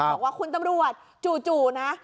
บอกว่าคุณตำรวจจู่นะ